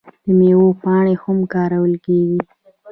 د میوو پاڼې هم کارول کیږي.